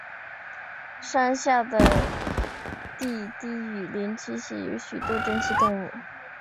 山下的低地雨林栖息有许多珍稀动物。